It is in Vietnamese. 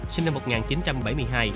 sinh năm một nghìn chín trăm bảy mươi hai